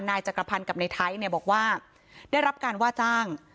นายจักรพันธ์กับในไทยเนี่ยบอกว่าได้รับการว่าจ้าง